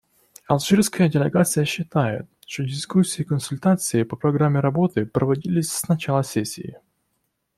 Алжирская делегация считает, что дискуссии и консультации по программе работы проводились с начала сессии.